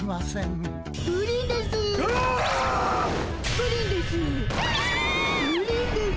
プリンです。